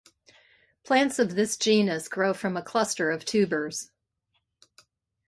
Plants of this genus grow from a cluster of tubers.